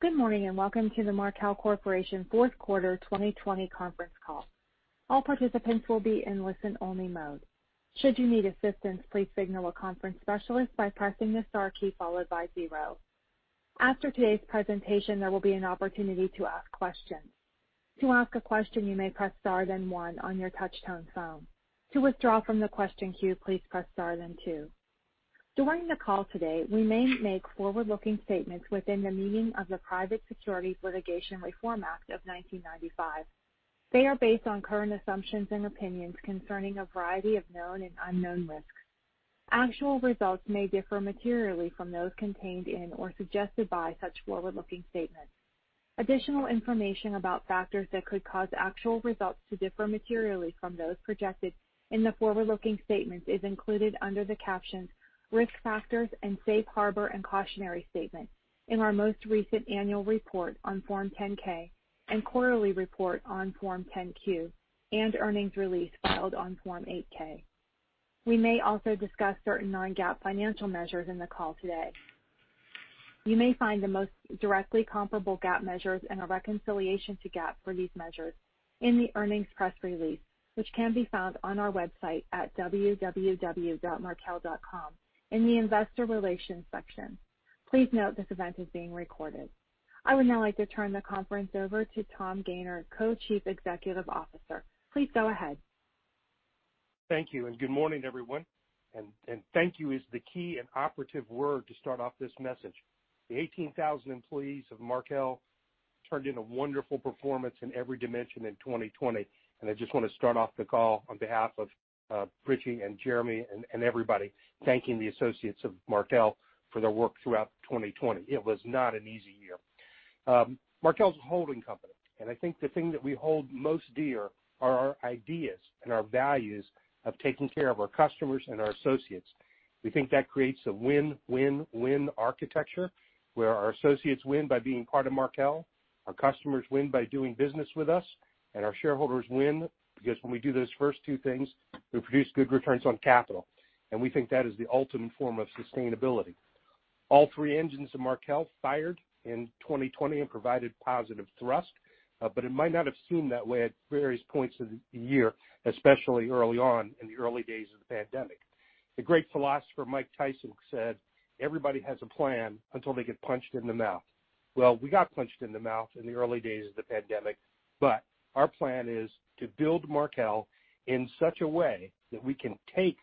Good morning, and welcome to the Markel Corporation Fourth Quarter 2020 conference call. All participants will be in listen-only mode. Should you need assistance, please signal a conference specialist by pressing the star key followed by zero. After today's presentation, there will be an opportunity to ask questions. To ask a question, you may press star then one on your touchtone phone. To withdraw from the queue, please press star then two During the call today, we may make forward-looking statements within the meaning of the Private Securities Litigation Reform Act of 1995. They are based on current assumptions and opinions concerning a variety of known and unknown risks. Actual results may differ materially from those contained in or suggested by such forward-looking statements. Additional information about factors that could cause actual results to differ materially from those projected in the forward-looking statements is included under the captions "Risk Factors" and "Safe Harbor and Cautionary Statements" in our most recent annual report on Form 10-K and quarterly report on Form 10-Q and earnings release filed on Form 8-K. We may also discuss certain non-GAAP financial measures in the call today. You may find the most directly comparable GAAP measures and a reconciliation to GAAP for these measures in the earnings press release, which can be found on our website at www.markel.com in the Investor Relations section. Please note this event is being recorded. I would now like to turn the conference over to Tom Gayner, Co-Chief Executive Officer. Please go ahead. Thank you, and good morning, everyone. Thank you is the key and operative word to start off this message. The 18,000 employees of Markel turned in a wonderful performance in every dimension in 2020, and I just want to start off the call on behalf of Richie and Jeremy and everybody, thanking the associates of Markel for their work throughout 2020. It was not an easy year. Markel is a holding company, and I think the thing that we hold most dear are our ideas and our values of taking care of our customers and our associates. We think that creates a win-win-win architecture, where our associates win by being part of Markel, our customers win by doing business with us, and our shareholders win because when we do those first two things, we produce good returns on capital, and we think that is the ultimate form of sustainability. All three engines of Markel fired in 2020 and provided positive thrust. It might not have seemed that way at various points of the year, especially early on in the early days of the pandemic. The great philosopher Mike Tyson said, "Everybody has a plan until they get punched in the mouth." Well, we got punched in the mouth in the early days of the pandemic, but our plan is to build Markel in such a way that we can take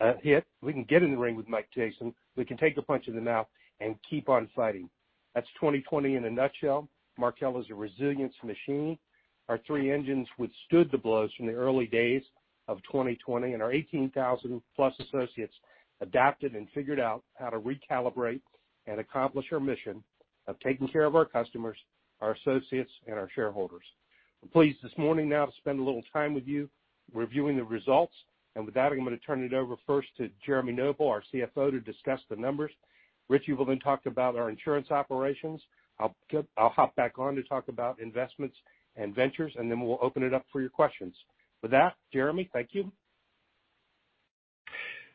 a hit. We can get in the ring with Mike Tyson. We can take a punch in the mouth and keep on fighting. That's 2020 in a nutshell. Markel is a resilience machine. Our three engines withstood the blows from the early days of 2020, and our 18,000-plus associates adapted and figured out how to recalibrate and accomplish our mission of taking care of our customers, our associates, and our shareholders. I'm pleased this morning now to spend a little time with you reviewing the results. With that, I'm going to turn it over first to Jeremy Noble, our CFO, to discuss the numbers. Richie will then talk about our insurance operations. I'll hop back on to talk about investments and ventures, and then we'll open it up for your questions. With that, Jeremy, thank you.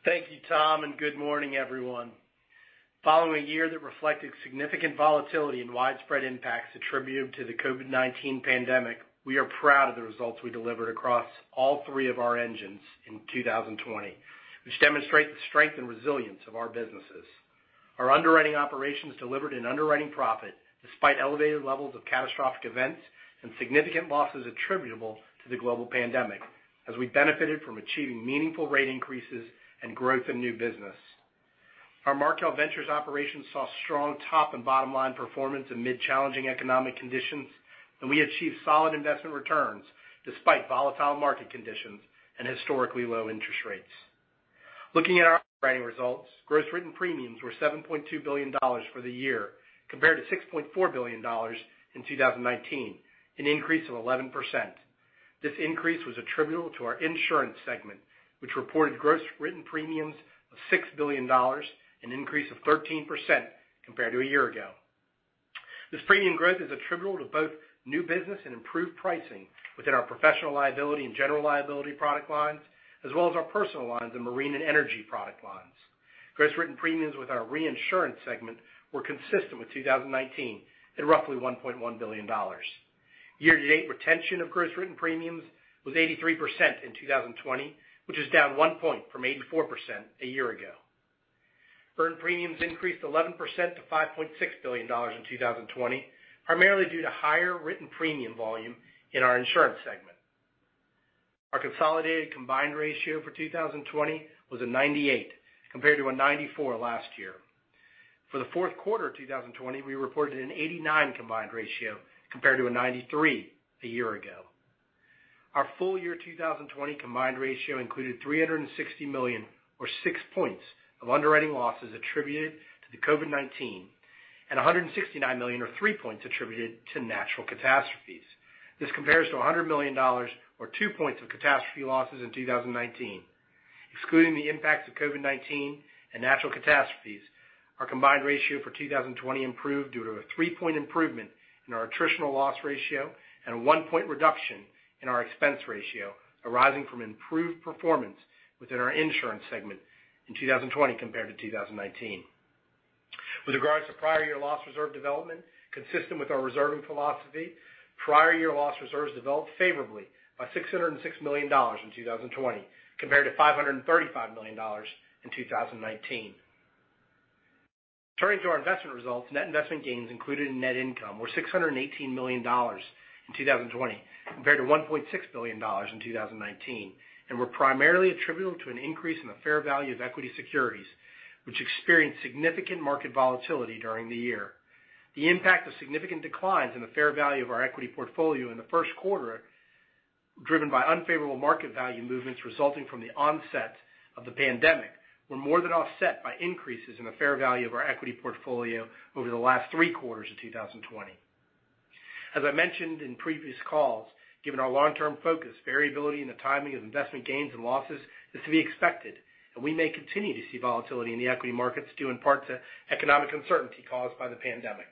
Thank you, Tom, good morning, everyone. Following a year that reflected significant volatility and widespread impacts attributed to the COVID-19 pandemic, we are proud of the results we delivered across all three of our engines in 2020, which demonstrate the strength and resilience of our businesses. Our underwriting operations delivered an underwriting profit despite elevated levels of catastrophic events and significant losses attributable to the global pandemic, as we benefited from achieving meaningful rate increases and growth in new business. Our Markel Ventures operations saw strong top and bottom-line performance amid challenging economic conditions, and we achieved solid investment returns despite volatile market conditions and historically low interest rates. Looking at our underwriting results, gross written premiums were $7.2 billion for the year, compared to $6.4 billion in 2019, an increase of 11%. This increase was attributable to our insurance segment, which reported gross written premiums of $6 billion, an increase of 13% compared to a year ago. This premium growth is attributable to both new business and improved pricing within our professional liability and general liability product lines, as well as our personal lines and marine and energy product lines. Gross written premiums with our reinsurance segment were consistent with 2019 at roughly $1.1 billion. Year-to-date retention of gross written premiums was 83% in 2020, which is down one point from 84% a year ago. Earned premiums increased 11% to $5.6 billion in 2020, primarily due to higher written premium volume in our insurance segment. Our consolidated combined ratio for 2020 was 98% compared to 94% last year. For the fourth quarter 2020, we reported an 89% combined ratio compared to 93% a year ago. Our full year 2020 combined ratio included $360 million or six points of underwriting losses attributed to the COVID-19 and $169 million or three points attributed to natural catastrophes. This compares to $100 million or two points of catastrophe losses in 2019. Excluding the impacts of COVID-19 and natural catastrophes, our combined ratio for 2020 improved due to a three-point improvement in our attritional loss ratio and a one-point reduction in our expense ratio arising from improved performance within our insurance segment in 2020 compared to 2019. With regards to prior year loss reserve development, consistent with our reserving philosophy, prior year loss reserves developed favorably by $606 million in 2020 compared to $535 million in 2019. Turning to our investment results, net investment gains included in net income were $618 million in 2020 compared to $1.6 billion in 2019, and were primarily attributable to an increase in the fair value of equity securities, which experienced significant market volatility during the year. The impact of significant declines in the fair value of our equity portfolio in the first quarter, driven by unfavorable market value movements resulting from the onset of the pandemic, were more than offset by increases in the fair value of our equity portfolio over the last three quarters of 2020. As I mentioned in previous calls, given our long-term focus, variability in the timing of investment gains and losses is to be expected, and we may continue to see volatility in the equity markets due in part to economic uncertainty caused by the pandemic.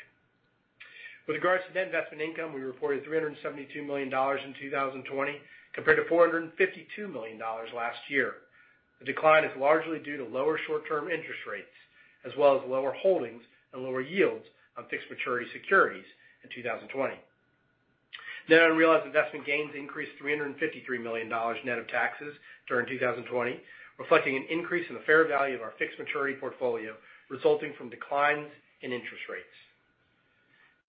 With regards to net investment income, we reported $372 million in 2020 compared to $452 million last year. The decline is largely due to lower short-term interest rates, as well as lower holdings and lower yields on fixed maturity securities in 2020. Net unrealized investment gains increased $353 million net of taxes during 2020, reflecting an increase in the fair value of our fixed maturity portfolio resulting from declines in interest rates.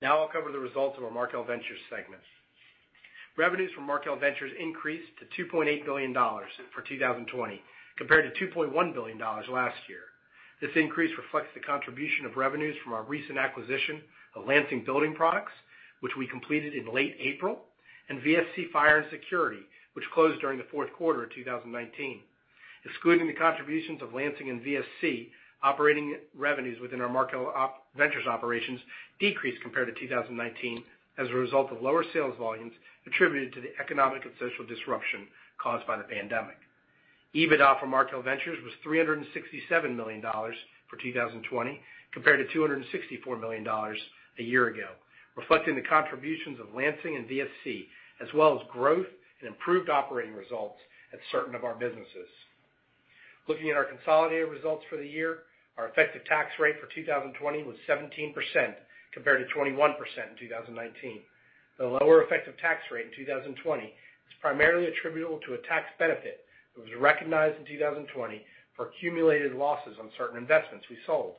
I'll cover the results of our Markel Ventures segments. Revenues from Markel Ventures increased to $2.8 billion for 2020 compared to $2.1 billion last year. This increase reflects the contribution of revenues from our recent acquisition of Lansing Building Products, which we completed in late April, and VSC Fire & Security, which closed during the fourth quarter of 2019. Excluding the contributions of Lansing and VSC, operating revenues within our Markel Ventures operations decreased compared to 2019 as a result of lower sales volumes attributed to the economic and social disruption caused by the pandemic. EBITDA for Markel Ventures was $367 million for 2020 compared to $264 million a year ago, reflecting the contributions of Lansing and VSC as well as growth and improved operating results at certain of our businesses. Looking at our consolidated results for the year, our effective tax rate for 2020 was 17% compared to 21% in 2019. The lower effective tax rate in 2020 is primarily attributable to a tax benefit that was recognized in 2020 for accumulated losses on certain investments we sold.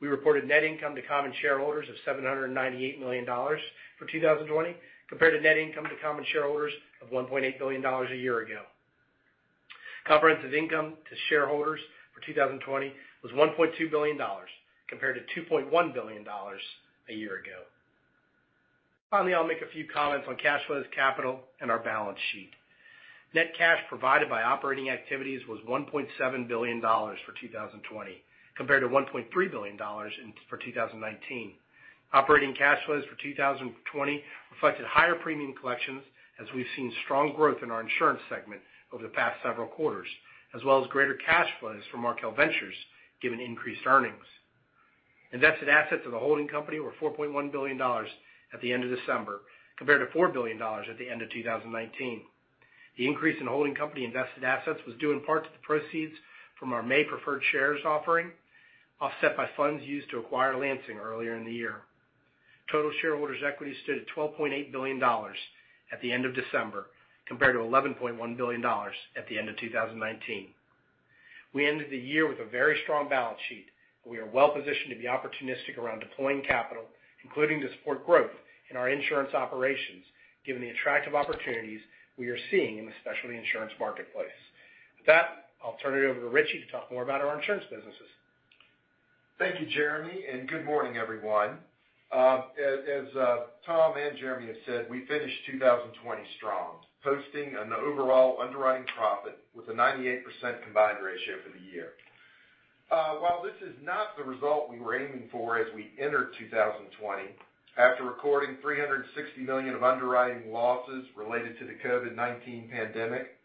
We reported net income to common shareholders of $798 million for 2020 compared to net income to common shareholders of $1.8 billion a year ago. Comprehensive income to shareholders for 2020 was $1.2 billion compared to $2.1 billion a year ago. I'll make a few comments on cash flows, capital, and our balance sheet. Net cash provided by operating activities was $1.7 billion for 2020 compared to $1.3 billion for 2019. Operating cash flows for 2020 reflected higher premium collections as we've seen strong growth in our insurance segment over the past several quarters, as well as greater cash flows from Markel Ventures, given increased earnings. Invested assets of the holding company were $4.1 billion at the end of December compared to $4 billion at the end of 2019. The increase in holding company invested assets was due in part to the proceeds from our May preferred shares offering, offset by funds used to acquire Lansing earlier in the year. Total shareholders' equity stood at $12.8 billion at the end of December compared to $11.1 billion at the end of 2019. We ended the year with a very strong balance sheet, and we are well positioned to be opportunistic around deploying capital, including to support growth in our insurance operations, given the attractive opportunities we are seeing in the specialty insurance marketplace. With that, I'll turn it over to Richie to talk more about our insurance businesses. Thank you, Jeremy, good morning, everyone. As Tom and Jeremy have said, we finished 2020 strong, posting an overall underwriting profit with a 98% combined ratio for the year. While this is not the result we were aiming for as we entered 2020, after recording $360 million of underwriting losses related to the COVID-19 pandemic,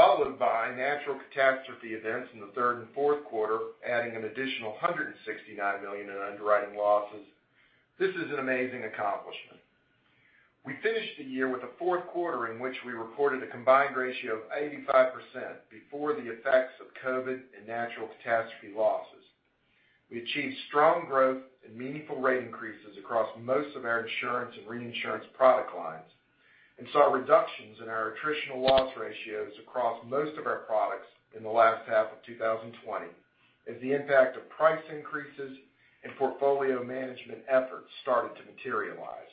followed by natural catastrophe events in the third and fourth quarter, adding an additional $169 million in underwriting losses, this is an amazing accomplishment. We finished the year with a fourth quarter in which we reported a combined ratio of 85% before the effects of COVID and natural catastrophe losses. We achieved strong growth and meaningful rate increases across most of our insurance and reinsurance product lines and saw reductions in our attritional loss ratios across most of our products in the last half of 2020 as the impact of price increases and portfolio management efforts started to materialize.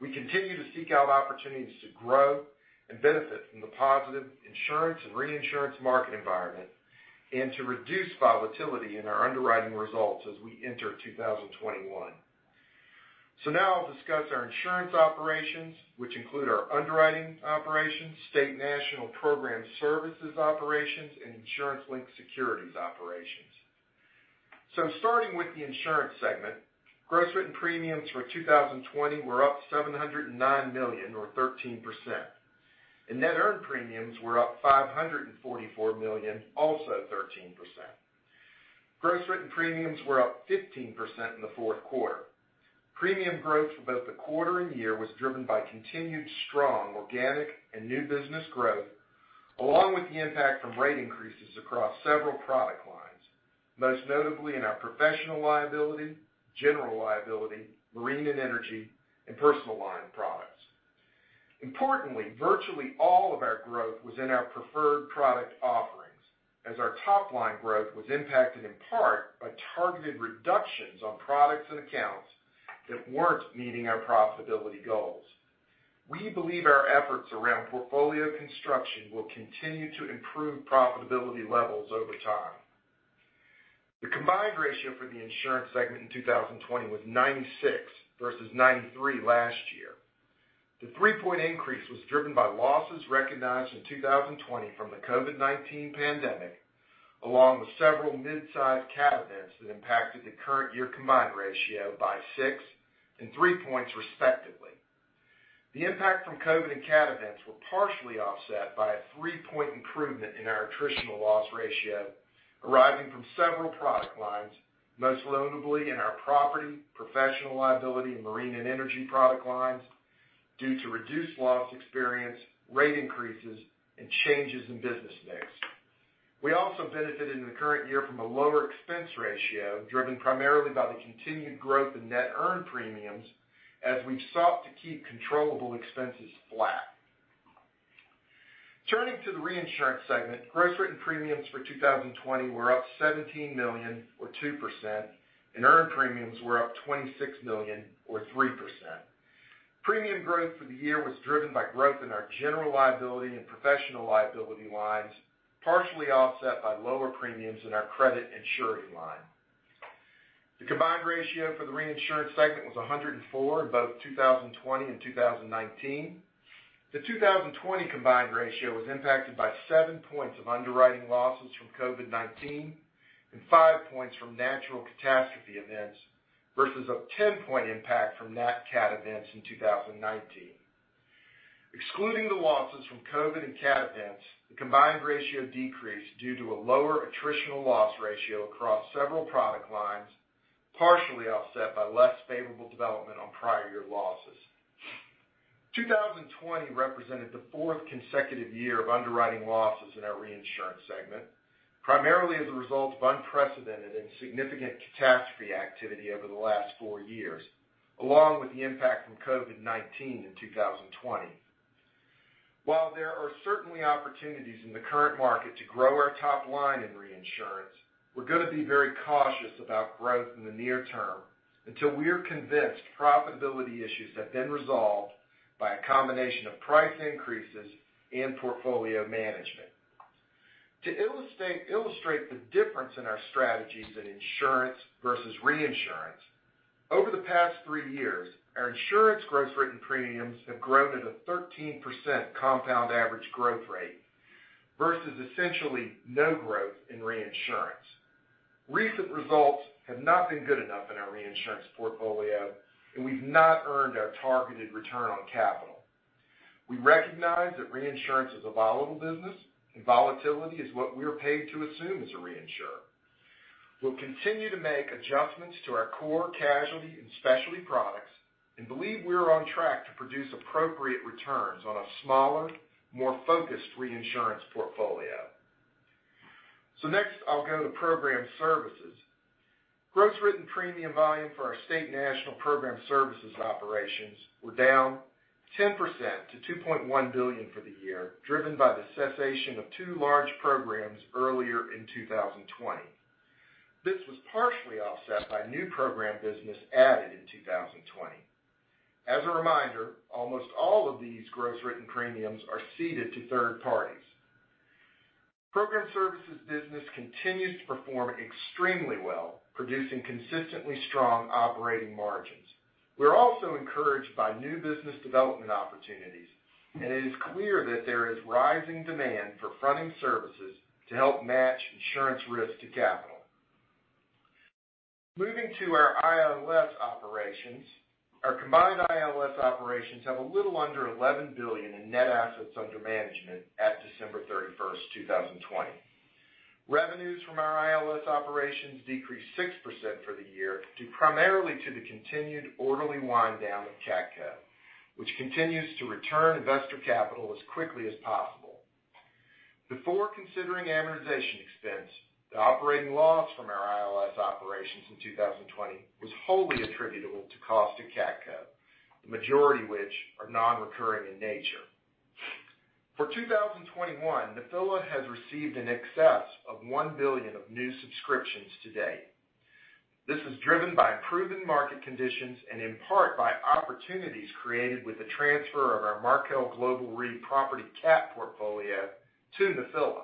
We continue to seek out opportunities to grow and benefit from the positive insurance and reinsurance market environment and to reduce volatility in our underwriting results as we enter 2021. Now I'll discuss our insurance operations, which include our underwriting operations, State National program services operations, and insurance-linked securities operations. Starting with the insurance segment, gross written premiums for 2020 were up $709 million or 13%. Net earned premiums were up $544 million, also 13%. Gross written premiums were up 15% in the fourth quarter. Premium growth for both the quarter and year was driven by continued strong organic and new business growth, along with the impact from rate increases across several product lines, most notably in our professional liability, general liability, marine and energy, and personal line products. Importantly, virtually all of our growth was in our preferred product offerings, as our top-line growth was impacted in part by targeted reductions on products and accounts that weren't meeting our profitability goals. We believe our efforts around portfolio construction will continue to improve profitability levels over time. The combined ratio for the insurance segment in 2020 was 96 versus 93 last year. The three-point increase was driven by losses recognized in 2020 from the COVID-19 pandemic, along with several mid-size cat events that impacted the current year combined ratio by six and three points respectively. The impact from COVID and cat events were partially offset by a three-point improvement in our attritional loss ratio, arriving from several product lines, most notably in our property, professional liability, and marine and energy product lines due to reduced loss experience, rate increases, and changes in business mix. We also benefited in the current year from a lower expense ratio, driven primarily by the continued growth in net earned premiums as we've sought to keep controllable expenses flat. Turning to the reinsurance segment, gross written premiums for 2020 were up $17 million or 2%, and earned premiums were up $26 million or 3%. Premium growth for the year was driven by growth in our general liability and professional liability lines, partially offset by lower premiums in our credit and surety line. The combined ratio for the reinsurance segment was 104 in both 2020 and 2019. The 2020 combined ratio was impacted by 7 points of underwriting losses from COVID-19 and 5 points from natural catastrophe events versus a 10-point impact from nat cat events in 2019. Excluding the losses from COVID and cat events, the combined ratio decreased due to a lower attritional loss ratio across several product lines, partially offset by less favorable development on prior year losses. 2020 represented the fourth consecutive year of underwriting losses in our reinsurance segment, primarily as a result of unprecedented and significant catastrophe activity over the last four years, along with the impact from COVID-19 in 2020. While there are certainly opportunities in the current market to grow our top line in reinsurance, we're going to be very cautious about growth in the near term until we are convinced profitability issues have been resolved by a combination of price increases and portfolio management. To illustrate the difference in our strategies in insurance versus reinsurance, over the past three years, our insurance gross written premiums have grown at a 13% compound average growth rate versus essentially no growth in reinsurance. Recent results have not been good enough in our reinsurance portfolio, and we've not earned our targeted return on capital. We recognize that reinsurance is a volatile business, and volatility is what we're paid to assume as a reinsurer. We'll continue to make adjustments to our core casualty and specialty products and believe we are on track to produce appropriate returns on a smaller, more focused reinsurance portfolio. Next, I'll go to program services. Gross written premium volume for our State National program services operations were down 10% to $2.1 billion for the year, driven by the cessation of two large programs earlier in 2020. This was partially offset by new program business added in 2020. As a reminder, almost all of these gross written premiums are ceded to third parties. Program services business continues to perform extremely well, producing consistently strong operating margins. We're also encouraged by new business development opportunities, and it is clear that there is rising demand for fronting services to help match insurance risk to capital. Moving to our ILS operations, our combined ILS operations have a little under $11 billion in net assets under management at December 31st, 2020. Revenues from our ILS operations decreased 6% for the year due primarily to the continued orderly wind down of CATCo, which continues to return investor capital as quickly as possible. Before considering amortization expense, the operating loss from our ILS operations in 2020 was wholly attributable to cost of CATCo, the majority of which are non-recurring in nature. For 2021, Nephila has received in excess of $1 billion of new subscriptions to date. This is driven by improving market conditions and in part by opportunities created with the transfer of our Markel Global Re property cat portfolio to Nephila.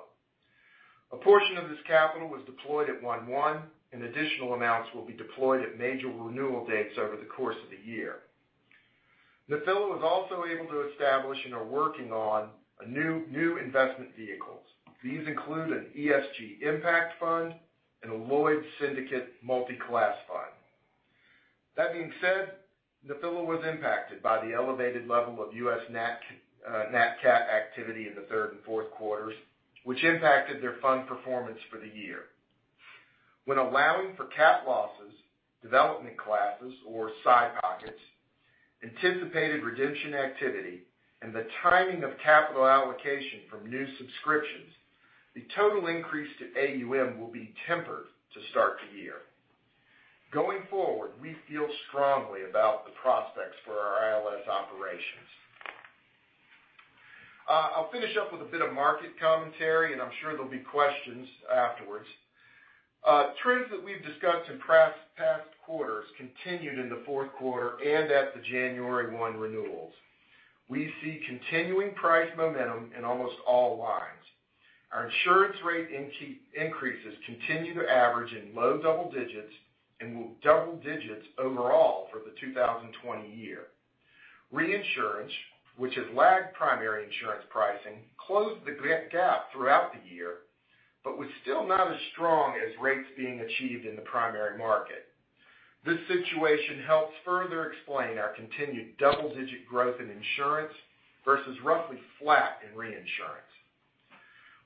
A portion of this capital was deployed at 1/1, and additional amounts will be deployed at major renewal dates over the course of the year. Nephila was also able to establish and are working on new investment vehicles. These include an ESG impact fund and a Lloyd's Syndicate multi-class fund. That being said, Nephila was impacted by the elevated level of U.S. nat cat activity in the third and fourth quarters, which impacted their fund performance for the year. When allowing for cat losses, development classes or side pockets, anticipated redemption activity, and the timing of capital allocation from new subscriptions, the total increase to AUM will be tempered to start the year. Going forward, we feel strongly about the prospects for our ILS operations. I'll finish up with a bit of market commentary, and I'm sure there'll be questions afterwards. Trends that we've discussed in past quarters continued in the fourth quarter and at the January 1 renewals. We see continuing price momentum in almost all lines. Our insurance rate increases continue to average in low double digits and mid double digits overall for the 2020 year. Reinsurance, which has lagged primary insurance pricing, closed the gap throughout the year, but was still not as strong as rates being achieved in the primary market. This situation helps further explain our continued double-digit growth in insurance versus roughly flat in reinsurance.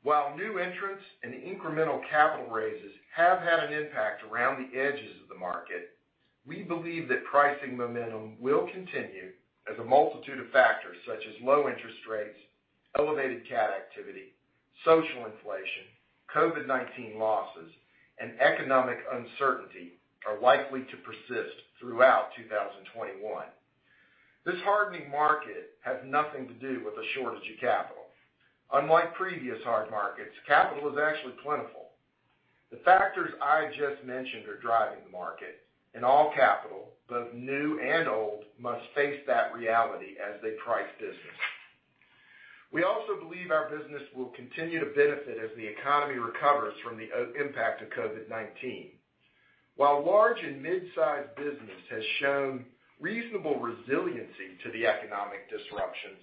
While new entrants and incremental capital raises have had an impact around the edges of the market, we believe that pricing momentum will continue as a multitude of factors such as low interest rates, elevated cat activity, social inflation, COVID-19 losses, and economic uncertainty are likely to persist throughout 2021. This hardening market has nothing to do with a shortage of capital. Unlike previous hard markets, capital is actually plentiful. The factors I just mentioned are driving the market, and all capital, both new and old, must face that reality as they price business. We also believe our business will continue to benefit as the economy recovers from the impact of COVID-19. While large and mid-sized business has shown reasonable resiliency to the economic disruptions,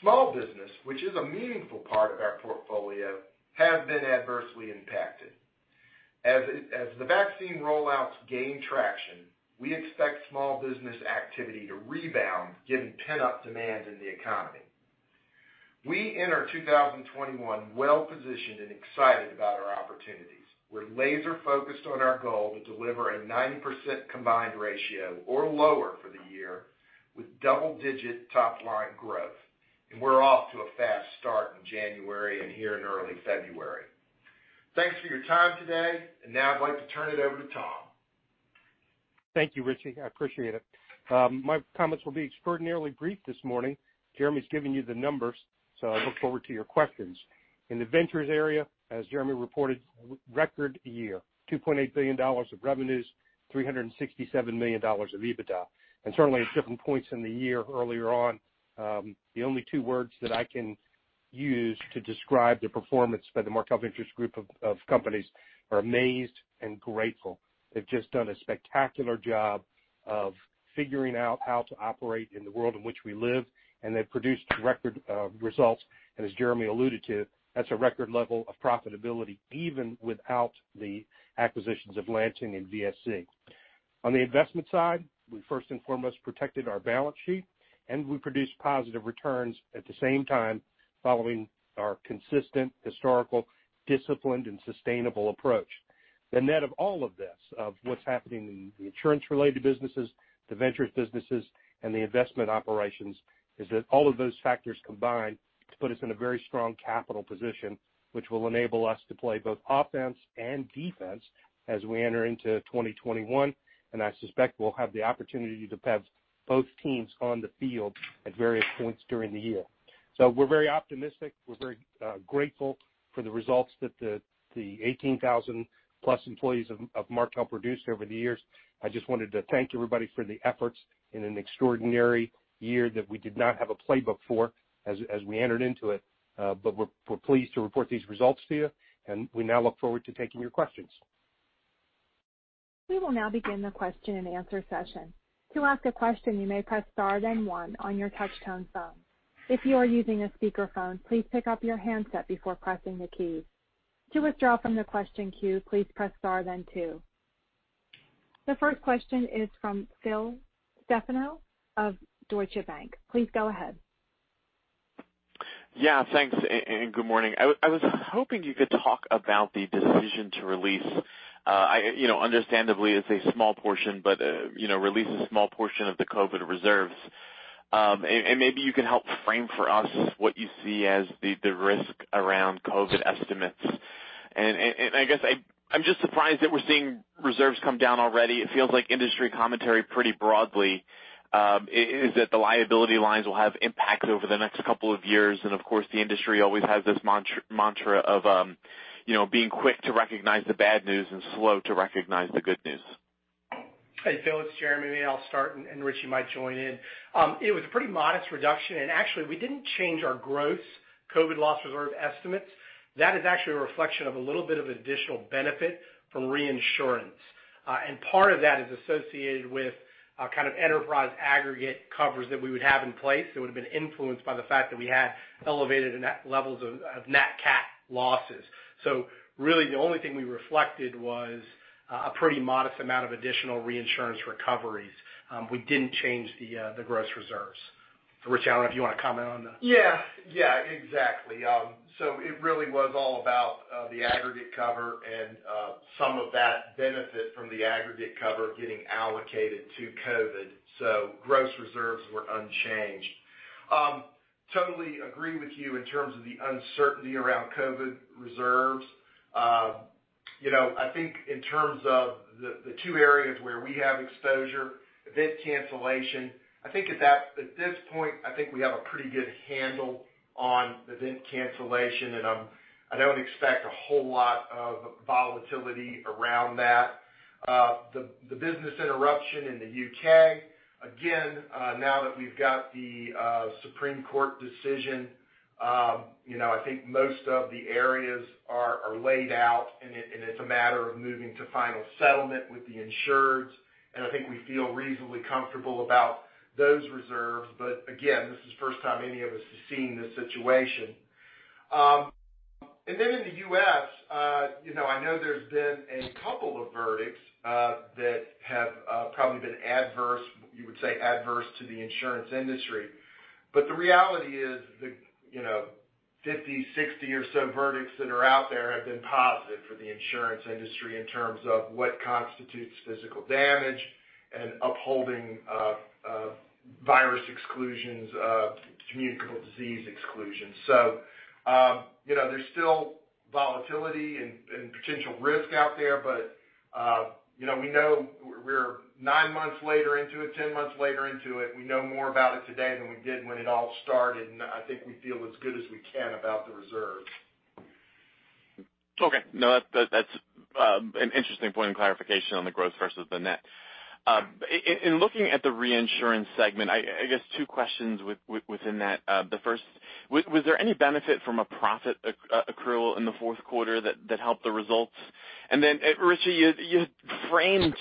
small business, which is a meaningful part of our portfolio, have been adversely impacted. As the vaccine rollouts gain traction, we expect small business activity to rebound given pent-up demand in the economy. We enter 2021 well-positioned and excited about our opportunities. We're laser focused on our goal to deliver a 90% combined ratio or lower for the year with double-digit top-line growth. We're off to a fast start in January and here in early February. Thanks for your time today, and now I'd like to turn it over to Tom. Thank you, Richie. I appreciate it. My comments will be extraordinarily brief this morning. Jeremy's given you the numbers, so I look forward to your questions. In the ventures area, as Jeremy reported, record year. $2.8 billion of revenues, $367 million of EBITDA. Certainly at different points in the year earlier on, the only two words that I can use to describe the performance by the Markel Insurance Group of companies are amazed and grateful. They've just done a spectacular job of figuring out how to operate in the world in which we live, and they've produced record results. As Jeremy alluded to, that's a record level of profitability, even without the acquisitions of Lansing and VSC. On the investment side, we first and foremost protected our balance sheet, and we produced positive returns at the same time, following our consistent historical disciplined and sustainable approach. The net of all of this, of what's happening in the insurance related businesses, the Ventures businesses, and the investment operations, is that all of those factors combined to put us in a very strong capital position, which will enable us to play both offense and defense as we enter into 2021. I suspect we'll have the opportunity to have both teams on the field at various points during the year. We're very optimistic. We're very grateful for the results that the 18,000 plus employees of Markel produced over the years. I just wanted to thank everybody for the efforts in an extraordinary year that we did not have a playbook for as we entered into it. We're pleased to report these results to you, and we now look forward to taking your questions. We will now begin the question-and-answer session. To ask a question you may press star then one on your touchtone phone. If you are using a speaker phone, please pick up your handset before pressing the key. To withdraw from the question queue, please press star then two. The first question is from Phil Stefano of Deutsche Bank. Please go ahead. Yeah, thanks, good morning. I was hoping you could talk about the decision to release, understandably it's a small portion, but release a small portion of the COVID reserves. Maybe you can help frame for us what you see as the risk around COVID estimates. I guess I'm just surprised that we're seeing reserves come down already. It feels like industry commentary pretty broadly, is that the liability lines will have impact over the next couple of years. Of course, the industry always has this mantra of being quick to recognize the bad news and slow to recognize the good news. Hey, Phil, it's Jeremy. Maybe I'll start, and Richie might join in. It was a pretty modest reduction. Actually, we didn't change our gross COVID-19 loss reserve estimates. That is actually a reflection of a little bit of additional benefit from reinsurance. Part of that is associated with enterprise aggregate covers that we would have in place that would've been influenced by the fact that we had elevated levels of nat cat losses. Really, the only thing we reflected was a pretty modest amount of additional reinsurance recoveries. We didn't change the gross reserves. Richie, if you want to comment on that. Exactly. It really was all about the aggregate cover and some of that benefit from the aggregate cover getting allocated to COVID. Gross reserves were unchanged. Totally agree with you in terms of the uncertainty around COVID reserves. In terms of the two areas where we have exposure, event cancellation, at this point, we have a pretty good handle on event cancellation, and I don't expect a whole lot of volatility around that. The business interruption in the U.K., again, now that we've got the Supreme Court decision, most of the areas are laid out, and it's a matter of moving to final settlement with the insureds, and we feel reasonably comfortable about those reserves. Again, this is the first time any of us has seen this situation. In the U.S., I know there's been a couple of verdicts that have probably been adverse, you would say, adverse to the insurance industry. The reality is the 50, 60 or so verdicts that are out there have been positive for the insurance industry in terms of what constitutes physical damage and upholding virus exclusions, communicable disease exclusions. There's still volatility and potential risk out there. We know we're nine months later into it, 10 months later into it. We know more about it today than we did when it all started, and I think we feel as good as we can about the reserve. Okay. No, that's an interesting point of clarification on the gross versus the net. In looking at the reinsurance segment, I guess two questions within that. The first, was there any benefit from a profit accrual in the fourth quarter that helped the results? Richie, you framed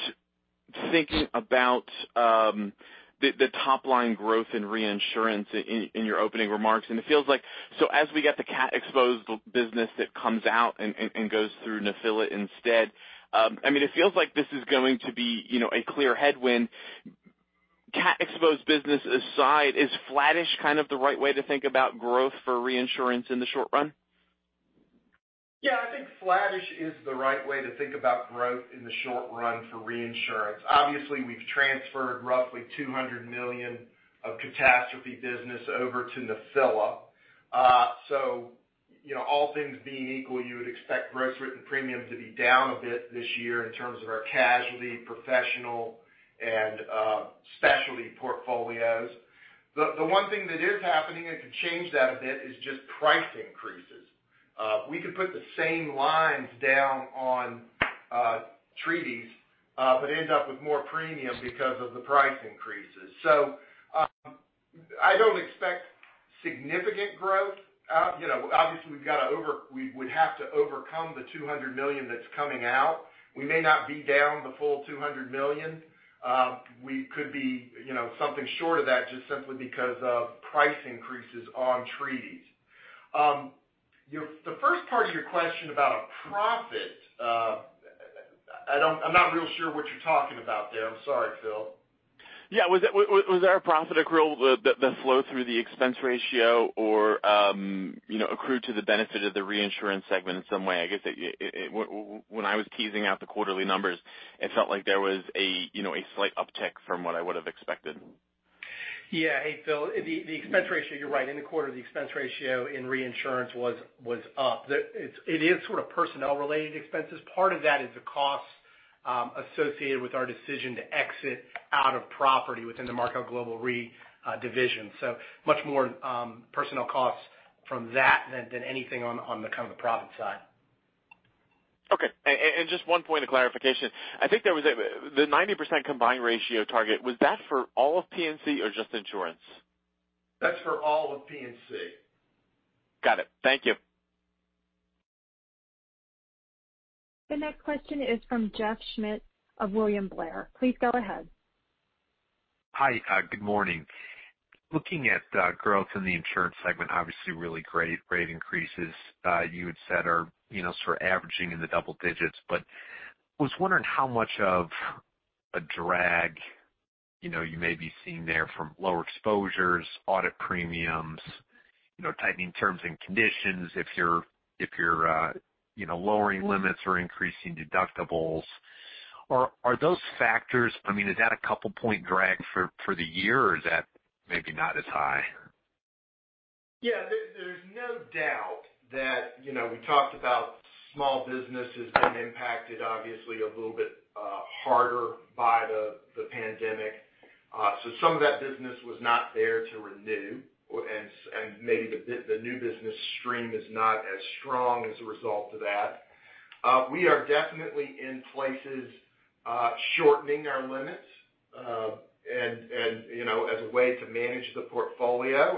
thinking about the top-line growth in reinsurance in your opening remarks, it feels like, as we get the cat-exposed business that comes out and goes through Nephila instead, it feels like this is going to be a clear headwind. Cat-exposed business aside, is flattish kind of the right way to think about growth for reinsurance in the short run? I think flattish is the right way to think about growth in the short run for reinsurance. Obviously, we've transferred roughly $200 million of catastrophe business over to Nephila. All things being equal, you would expect gross written premium to be down a bit this year in terms of our casualty, professional, and specialty portfolios. The one thing that is happening and could change that a bit is just price increases. We could put the same lines down on treaties but end up with more premium because of the price increases. I don't expect significant growth. Obviously, we would have to overcome the $200 million that's coming out. We may not be down the full $200 million. We could be something short of that just simply because of price increases on treaties. The first part of your question about a profit, I'm not real sure what you're talking about there. I'm sorry, Phil. Was there a profit accrual that flow through the expense ratio or accrued to the benefit of the reinsurance segment in some way? I guess when I was teasing out the quarterly numbers, it felt like there was a slight uptick from what I would have expected. Hey, Phil. The expense ratio, you're right. In the quarter, the expense ratio in reinsurance was up. It is sort of personnel-related expenses. Part of that is the cost associated with our decision to exit out of property within the Markel Global Re division. Much more personnel costs from that than anything on the profit side. Okay. Just one point of clarification. I think there was the 90% combined ratio target. Was that for all of P&C or just insurance? That's for all of P&C. Got it. Thank you. The next question is from Jeff Schmitt of William Blair. Please go ahead. Hi. Good morning. Looking at growth in the insurance segment, obviously really great rate increases. You had said are sort of averaging in the double digits, was wondering how much of a drag you may be seeing there from lower exposures, audit premiums, tightening terms and conditions if you're lowering limits or increasing deductibles. Are those factors, is that a couple point drag for the year, or is that maybe not as high? There's no doubt that we talked about small businesses being impacted, obviously, a little bit harder by the pandemic. Some of that business was not there to renew, and maybe the new business stream is not as strong as a result of that. We are definitely in places shortening our limits, and as a way to manage the portfolio,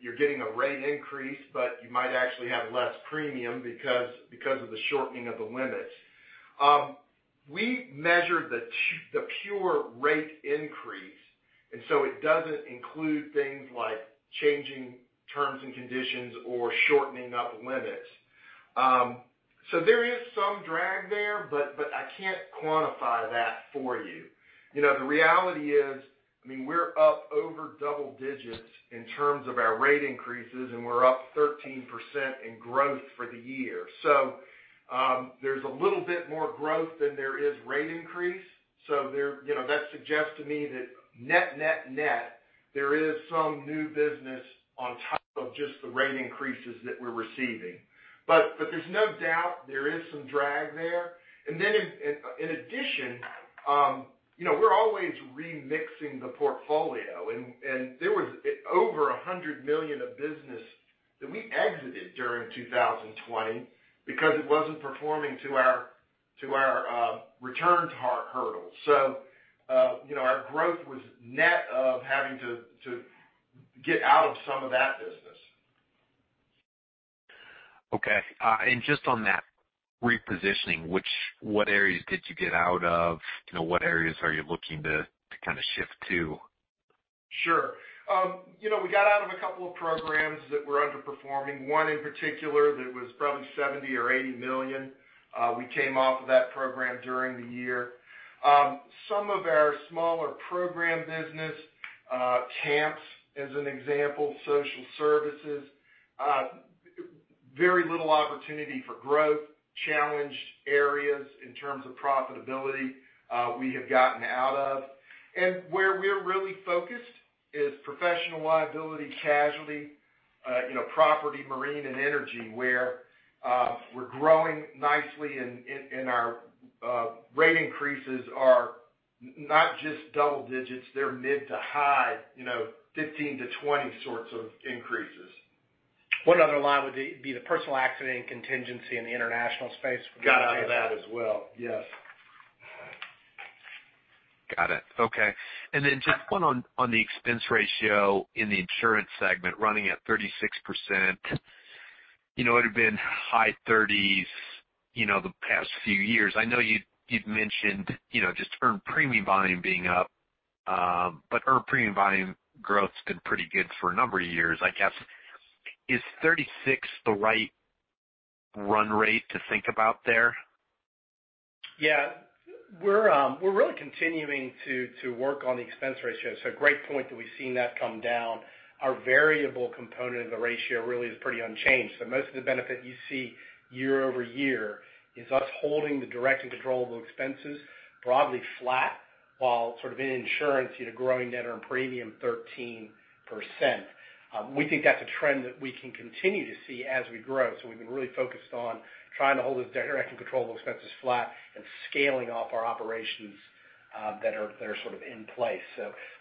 you're getting a rate increase, but you might actually have less premium because of the shortening of the limits. We measure the pure rate increase, it doesn't include like changing terms and conditions or shortening up limits. There is some drag there, but I can't quantify that for you. The reality is, we're up over double digits in terms of our rate increases, and we're up 13% in growth for the year. There's a little bit more growth than there is rate increase. That suggests to me that net, net, there is some new business on top of just the rate increases that we're receiving. There's no doubt there is some drag there. In addition, we're always remixing the portfolio, and there was over $100 million of business that we exited during 2020 because it wasn't performing to our returns hurdle. Our growth was net of having to get out of some of that business. Okay. Just on that repositioning, what areas did you get out of? What areas are you looking to kind of shift to? Sure. We got out of a couple of programs that were underperforming. One in particular that was probably $70 million or $80 million. We came off of that program during the year. Some of our smaller program business, camps, as an example, social services. Very little opportunity for growth, challenged areas in terms of profitability, we have gotten out of. And where we're really focused is professional liability, casualty, property, marine, and energy, where we're growing nicely and our rate increases are not just double digits, they're mid to high, 15%-20% sorts of increases. One other line would be the personal accident and contingency in the international space. Got out of that as well. Yes. Got it. Okay. Just one on the expense ratio in the insurance segment, running at 36%. It had been high 30s the past few years. I know you'd mentioned just earned premium volume being up. Earned premium volume growth's been pretty good for a number of years, I guess. Is 36 the right run rate to think about there? Yeah. We're really continuing to work on the expense ratio. A great point that we've seen that come down. Our variable component of the ratio really is pretty unchanged. Most of the benefit you see year-over-year is us holding the direct and controllable expenses broadly flat, while sort of in insurance, growing net earned premium 13%. We think that's a trend that we can continue to see as we grow. We've been really focused on trying to hold those direct and controllable expenses flat and scaling up our operations that are sort of in place.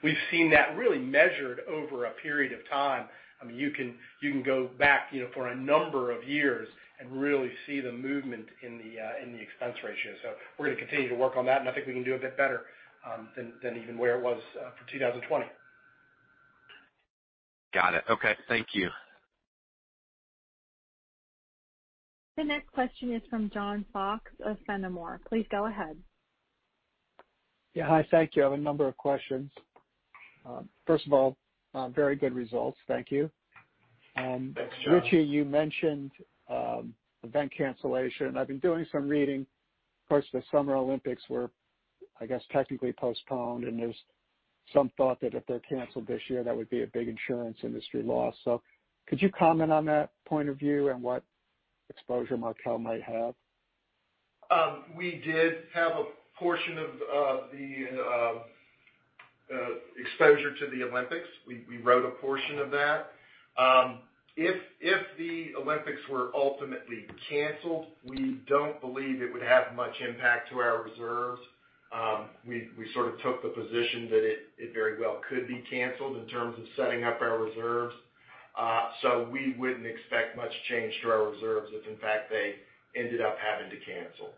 We've seen that really measured over a period of time. You can go back for a number of years and really see the movement in the expense ratio. We're going to continue to work on that, and I think we can do a bit better than even where it was for 2020. Got it. Okay. Thank you. The next question is from John Fox of Fenimore. Please go ahead. Yeah. Hi, thank you. I have a number of questions. First of all, very good results. Thank you. Richie, you mentioned event cancellation. I've been doing some reading. Of course, the Summer Olympics were, I guess, technically postponed, and there's some thought that if they're canceled this year, that would be a big insurance industry loss. Could you comment on that point of view and what exposure Markel might have? We did have a portion of the exposure to the Olympics. We wrote a portion of that. If the Olympics were ultimately canceled, we don't believe it would have much impact to our reserves. We sort of took the position that it very well could be canceled in terms of setting up our reserves. We wouldn't expect much change to our reserves if in fact they ended up having to cancel.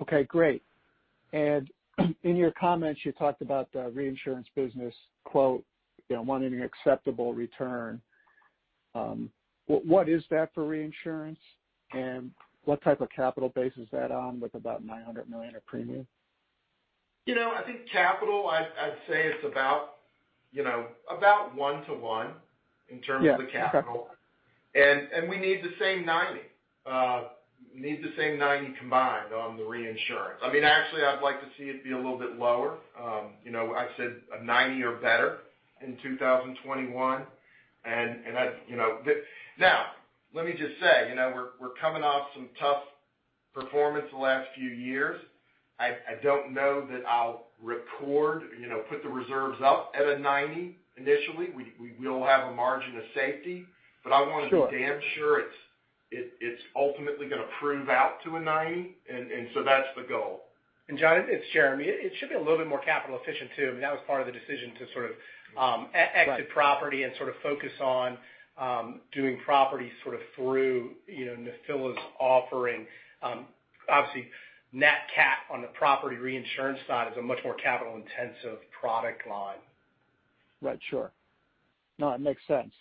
Okay, great. In your comments, you talked about the reinsurance business quote, wanting an acceptable return. What is that for reinsurance, and what type of capital base is that on with about $900 million of premium? I think capital, I'd say it's about one to one in terms of the capital. Yeah. Okay. We need the same 90 combined on the reinsurance. Actually, I'd like to see it be a little bit lower. I said a 90 or better in 2021. Now, let me just say, we're coming off some tough performance the last few years. I don't know that I'll record, put the reserves up at a 90 initially. We will have a margin of safety. Sure. I want to be damn sure it's ultimately going to prove out to a 90, and so that's the goal. John, it's Jeremy. It should be a little bit more capital efficient too. I mean, that was part of the decision to sort of exit property and sort of focus on doing property sort of through Nephila's offering. Obviously, nat cat on the property reinsurance side is a much more capital-intensive product line. Right. Sure. No, it makes sense.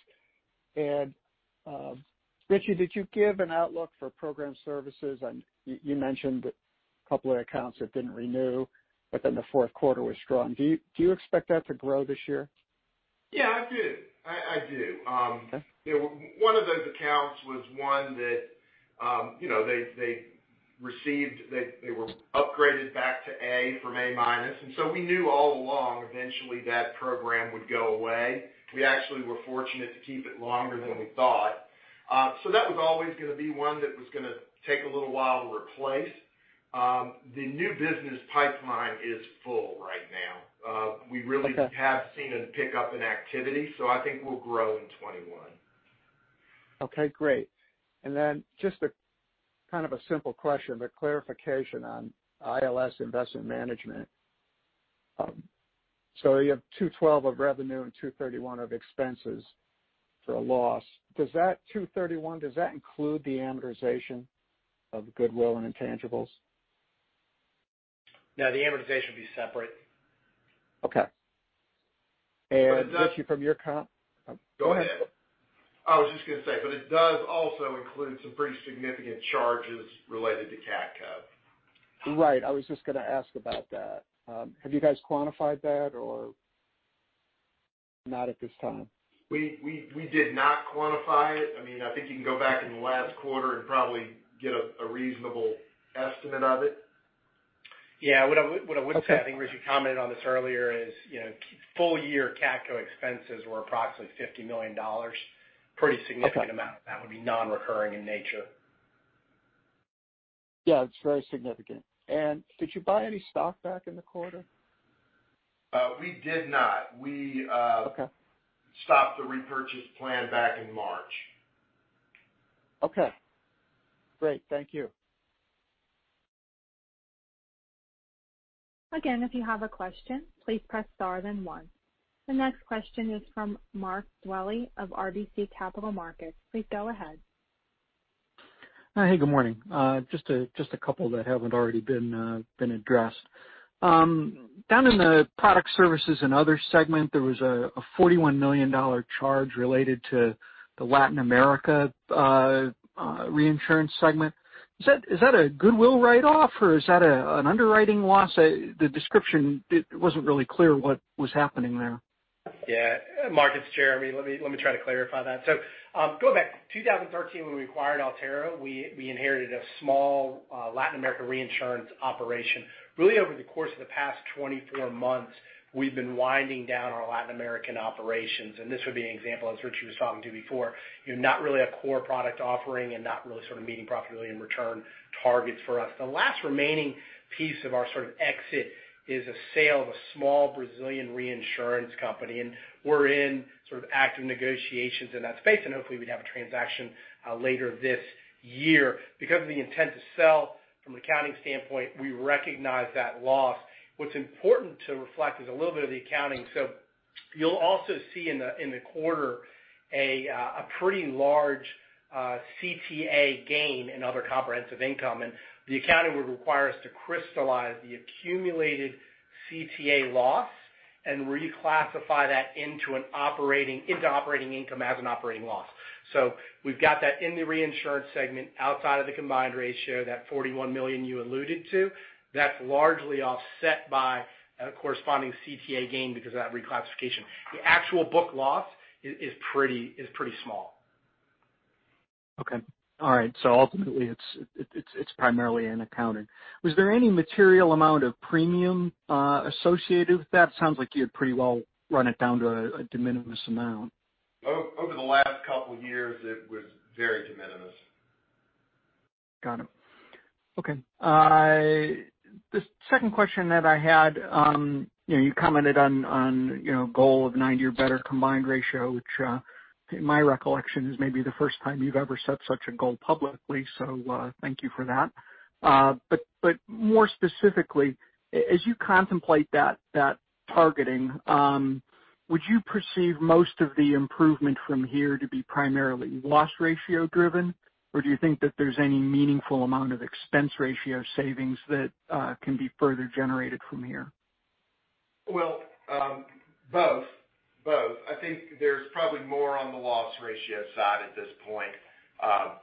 Richie, did you give an outlook for program services? You mentioned a couple of accounts that didn't renew, but then the fourth quarter was strong. Do you expect that to grow this year? Yeah, I do. One of those accounts was one that they were upgraded back to A from A minus, and so we knew all along eventually that program would go away. We actually were fortunate to keep it longer than we thought. That was always going to be one that was going to take a little while to replace. The new business pipeline is full right now. We really have seen a pickup in activity, so I think we'll grow in 2021. Okay, great. Just a kind of a simple question, clarification on ILS investment management. You have $212 of revenue and $231 of expenses for a loss. Does that $231 include the amortization of goodwill and intangibles? No, the amortization would be separate. Okay. Richie, Oh, go ahead. I was just going to say, but it does also include some pretty significant charges related to CATCo. Right. I was just going to ask about that. Have you guys quantified that or not at this time? We did not quantify it. I think you can go back in the last quarter and probably get a reasonable estimate of it. Yeah. What I would say, I think Richie commented on this earlier, is full-year CATCo expenses were approximately $50 million. Pretty significant amount of that would be non-recurring in nature. Yeah, it's very significant. Did you buy any stock back in the quarter? We did not. Okay. We stopped the repurchase plan back in March. Okay, great. Thank you. If you have a question, please press star then one. The next question is from Mark Dwelle of RBC Capital Markets. Please go ahead. Hey, good morning. Just a couple that haven't already been addressed. Down in the product, services and other segment, there was a $41 million charge related to the Latin America reinsurance segment. Is that a goodwill write-off or is that an underwriting loss? The description, it wasn't really clear what was happening there. Mark, it's Jeremy. Let me try to clarify that. Going back, 2013 when we acquired Alterra, we inherited a small Latin America reinsurance operation. Over the course of the past 24 months, we've been winding down our Latin American operations, and this would be an example, as Richie was talking to before, not really a core product offering and not really sort of meeting profitability and return targets for us. The last remaining piece of our sort of exit is a sale of a small Brazilian reinsurance company, and we're in sort of active negotiations in that space, and hopefully we'd have a transaction later this year. Because of the intent to sell from an accounting standpoint, we recognize that loss. What's important to reflect is a little bit of the accounting. You'll also see in the quarter a pretty large CTA gain in other comprehensive income. The accounting would require us to crystallize the accumulated CTA loss and reclassify that into operating income as an operating loss. We've got that in the reinsurance segment outside of the combined ratio, that $41 million you alluded to, that's largely offset by a corresponding CTA gain because of that reclassification. The actual book loss is pretty small. Okay. All right. Ultimately it's primarily in accounting. Was there any material amount of premium associated with that? Sounds like you had pretty well run it down to a de minimis amount. Over the last couple years, it was very de minimis. Got it. Okay. The second question that I had, you commented on goal of nine or better combined ratio, which, in my recollection, is maybe the first time you've ever set such a goal publicly. Thank you for that. More specifically, as you contemplate that targeting, would you perceive most of the improvement from here to be primarily loss ratio driven, or do you think that there's any meaningful amount of expense ratio savings that can be further generated from here? Well, both. I think there's probably more on the loss ratio side at this point. I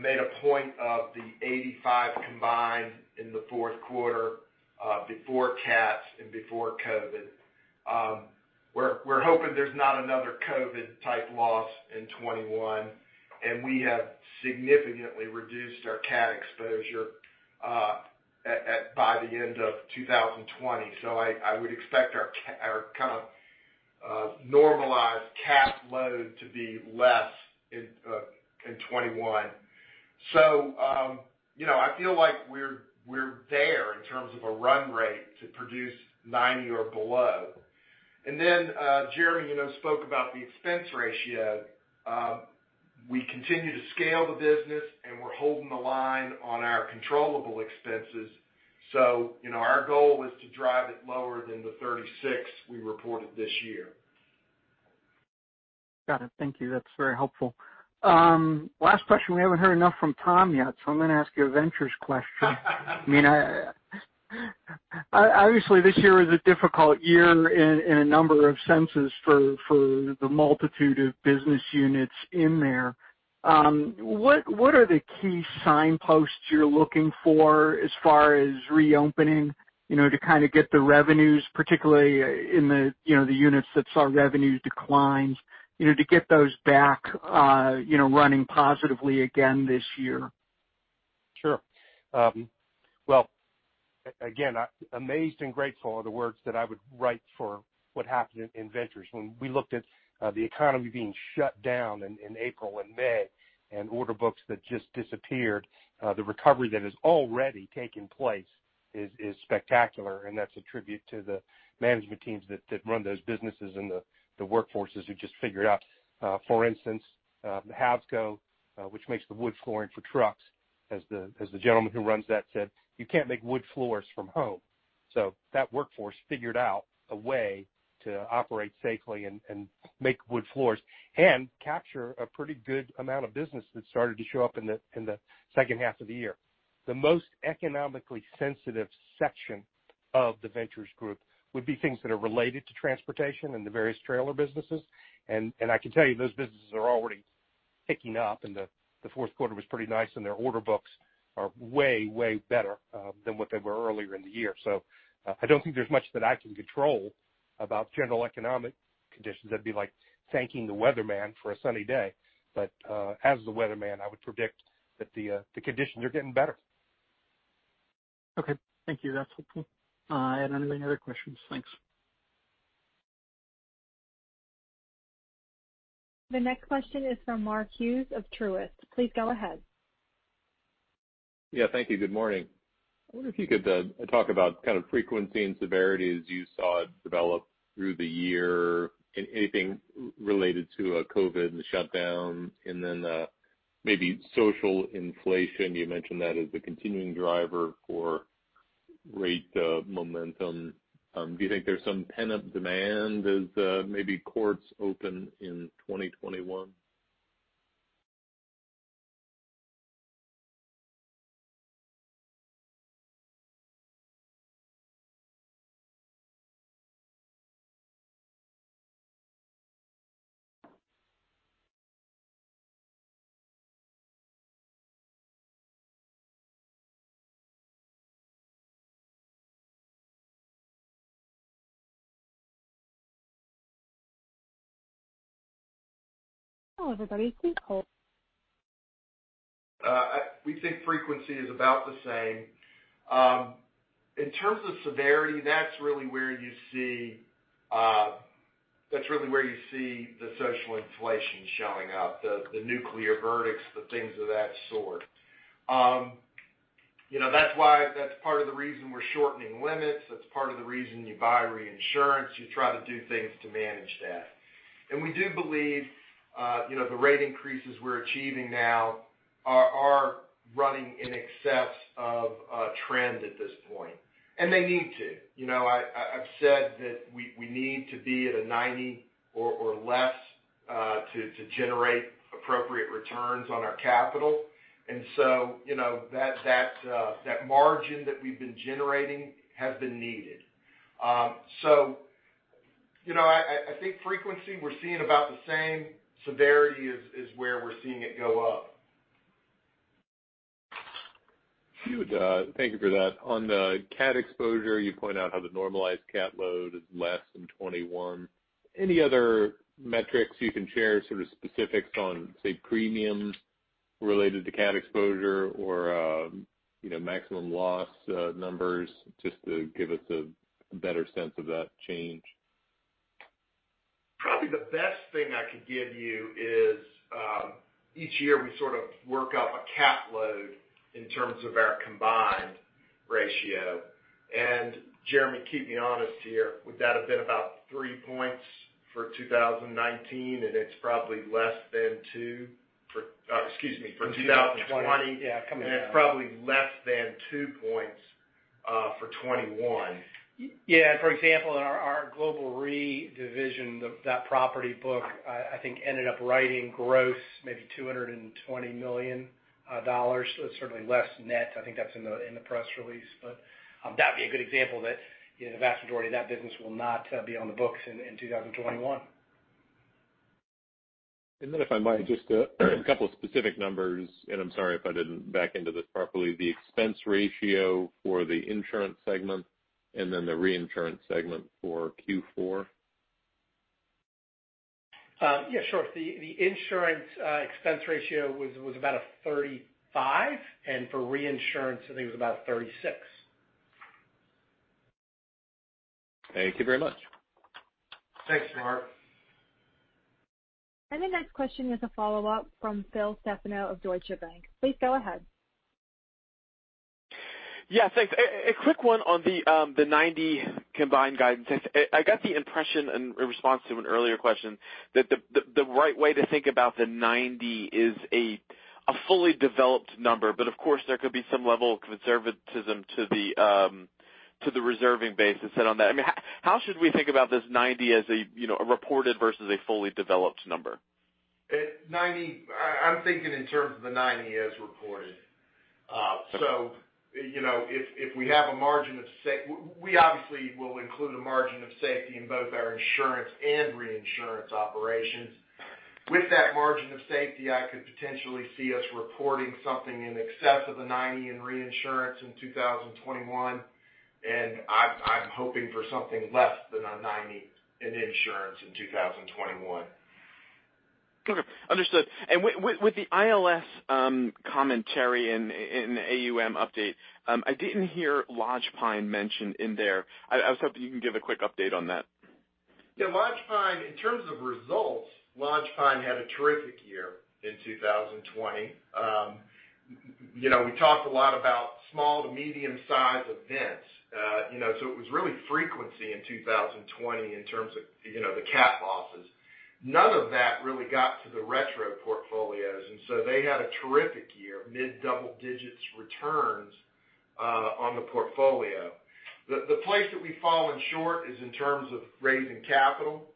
made a point of the 85 combined in the fourth quarter, before cats and before COVID-19. We're hoping there's not another COVID-19-type loss in 2021, and we have significantly reduced our cat exposure by the end of 2020. I would expect our kind of normalized cat load to be less in 2021. I feel like we're there in terms of a run rate to produce 90 or below. Jeremy spoke about the expense ratio. We continue to scale the business, and we're holding the line on our controllable expenses. Our goal is to drive it lower than the 36 we reported this year. Got it. Thank you. That's very helpful. Last question. We haven't heard enough from Tom yet, so I'm going to ask you a ventures question. Obviously, this year is a difficult year in a number of senses for the multitude of business units in there. What are the key signposts you're looking for as far as reopening, to get the revenues, particularly in the units that saw revenues decline, to get those back running positively again this year? Sure. Well, again, amazed and grateful are the words that I would write for what happened in Ventures. When we looked at the economy being shut down in April and May and order books that just disappeared, the recovery that has already taken place is spectacular, and that's a tribute to the management teams that run those businesses and the workforces who just figured out. For instance, the Havco, which makes the wood flooring for trucks, as the gentleman who runs that said, "You can't make wood floors from home." That workforce figured out a way to operate safely and make wood floors and capture a pretty good amount of business that started to show up in the second half of the year. The most economically sensitive section of the Ventures group would be things that are related to transportation and the various trailer businesses. I can tell you, those businesses are already picking up, and the fourth quarter was pretty nice, and their order books are way better than what they were earlier in the year. I don't think there's much that I can control about general economic conditions. That'd be like thanking the weatherman for a sunny day. As the weatherman, I would predict that the conditions are getting better. Okay. Thank you. That's helpful. I had not any other questions. Thanks. The next question is from Mark Hughes of Truist. Please go ahead. Yeah, thank you. Good morning. I wonder if you could talk about kind of frequency and severity as you saw it develop through the year, and anything related to COVID and the shutdown and then maybe social inflation. You mentioned that as the continuing driver for rate momentum. Do you think there's some pent-up demand as maybe courts open in 2021? Hello, everybody. Please hold. We think frequency is about the same. In terms of severity, that's really where you see the social inflation showing up, the nuclear verdicts, the things of that sort. That's part of the reason we're shortening limits. That's part of the reason you buy reinsurance. You try to do things to manage that. We do believe the rate increases we're achieving now are running in excess of trend at this point, and they need to. I've said that we need to be at a 90 or less to generate appropriate returns on our capital. That margin that we've been generating has been needed. I think frequency, we're seeing about the same. Severity is where we're seeing it go up. Thank you for that. On the cat exposure, you point out how the normalized cat load is less than 21. Any other metrics you can share, sort of specifics on, say, premiums related to cat exposure or maximum loss numbers just to give us a better sense of that change? Probably the best thing I could give you is each year we sort of work up a cat load in terms of our combined ratio. Jeremy, keep me honest here, would that have been about three points for 2019? It's probably less than two for Excuse me, for 2020. For 2020. Yeah, coming down. It's probably less than two points for 2021. Yeah. For example, in our Global Re division, that property book I think ended up writing gross maybe $220 million. It's certainly less net. I think that's in the press release. That would be a good example that the vast majority of that business will not be on the books in 2021. Then if I might, just a couple of specific numbers, and I'm sorry if I didn't back into this properly, the expense ratio for the insurance segment and then the reinsurance segment for Q4. Yeah, sure. The insurance expense ratio was about a 35%, and for reinsurance, I think it was about 36%. Thank you very much. Thanks, Mark. The next question is a follow-up from Phil Stefano of Deutsche Bank. Please go ahead. Yeah, thanks. A quick one on the 90 combined guidance. I got the impression in response to an earlier question that the right way to think about the 90 is a fully developed number. Of course, there could be some level of conservatism to the reserving basis set on that. How should we think about this 90 as a reported versus a fully developed number? I'm thinking in terms of the 90 as reported. We obviously will include a margin of safety in both our insurance and reinsurance operations. With that margin of safety, I could potentially see us reporting something in excess of a 90 in reinsurance in 2021, and I'm hoping for something less than a 90 in insurance in 2021. Okay, understood. With the ILS commentary and AUM update, I didn't hear Lodgepine mentioned in there. I was hoping you can give a quick update on that. Yeah, Lodgepine, in terms of results, Lodgepine had a terrific year in 2020. We talked a lot about small to medium-sized events. It was really frequency in 2020 in terms of the cat losses. None of that really got to the retro portfolios, and so they had a terrific year, mid-double digits returns on the portfolio. The place that we've fallen short is in terms of raising capital.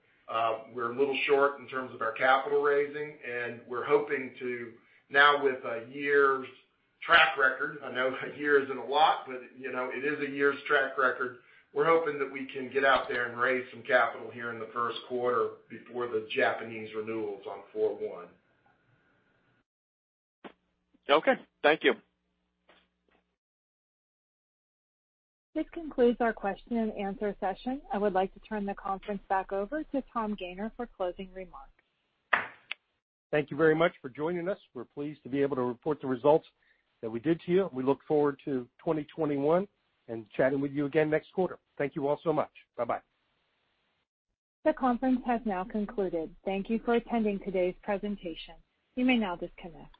We're a little short in terms of our capital raising, and we're hoping to now with a year's track record, I know a year isn't a lot, but it is a year's track record. We're hoping that we can get out there and raise some capital here in the first quarter before the Japanese renewals on 4/1. Okay. Thank you. This concludes our question-and-answer session. I would like to turn the conference back over to Tom Gayner for closing remarks. Thank you very much for joining us. We are pleased to be able to report the results that we did to you. We look forward to 2021 and chatting with you again next quarter. Thank you all so much. Bye-bye. The conference has now concluded. Thank you for attending today's presentation. You may now disconnect.